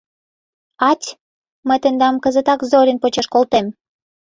Ать, мый тендам кызытак Зорин почеш колтем.